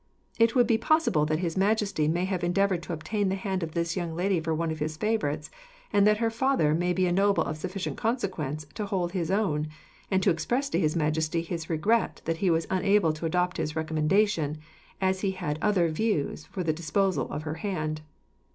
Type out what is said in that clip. It would be possible that His Majesty may have endeavoured to obtain the hand of this young lady for one of his favourites, and that her father may be a noble of sufficient consequence to hold his own, and to express to His Majesty his regret that he was unable to adopt his recommendation, as he had other views for the disposal of her hand.